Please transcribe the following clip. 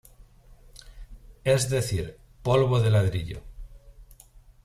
Es decir, polvo de ladrillo.